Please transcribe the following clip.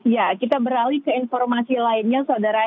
ya kita beralih ke informasi lainnya saudara